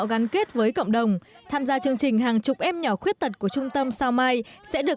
gắn kết với cộng đồng tham gia chương trình hàng chục em nhỏ khuyết tật của trung tâm sao mai sẽ được